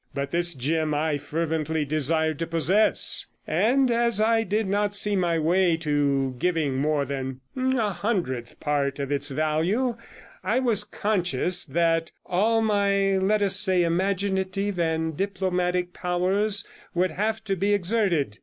But this gem I fervently desired to possess; and as I did not see my way to giving more than a hundredth part of its value, I was conscious that all my, let us say, imaginative and diplomatic powers would have to be exerted.